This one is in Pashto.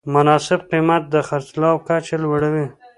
مناسب قیمت د خرڅلاو کچه لوړوي.